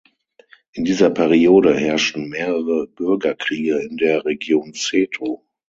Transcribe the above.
In dieser Periode herrschten mehrere Bürgerkriege in der Region Seto.